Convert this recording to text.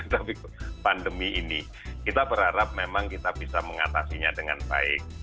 tapi pandemi ini kita berharap memang kita bisa mengatasinya dengan baik